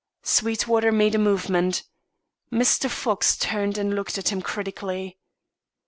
Sweetwater made a movement. Mr. Fox turned and looked at him critically.